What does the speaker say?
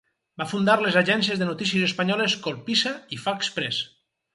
Va fundar les agències de notícies espanyoles Colpisa i Fax Press.